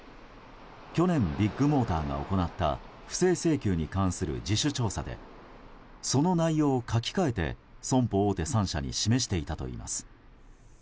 去年ビッグモーターが行った不正請求に関する自主調査でその内容を書き換えて損保大手３社に示していたといいます。